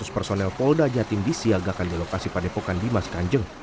lima ratus personel polda jatim disiagakan di lokasi padepokan dimas kanjeng